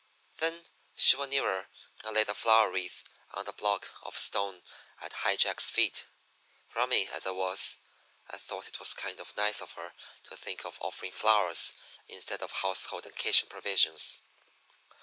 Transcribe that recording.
Then she went nearer and laid the flower wreath on the block of stone at High Jack's feet. Rummy as I was, I thought it was kind of nice of her to think of offering flowers instead of household and kitchen provisions.